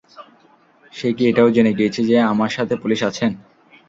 সে কি এটাও জেনে গিয়েছে যে, আমার সাথে পুলিশ আছেন?